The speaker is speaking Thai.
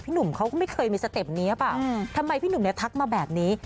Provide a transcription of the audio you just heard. หนุ่มเขาก็ไม่เคยมีสเต็ปนี้หรือเปล่าทำไมพี่หนุ่มเนี่ยทักมาแบบนี้